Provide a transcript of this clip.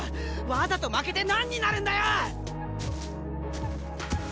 わざと負けてなんになるんだよ！